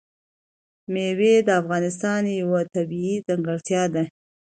مېوې د افغانستان یوه طبیعي ځانګړتیا ده.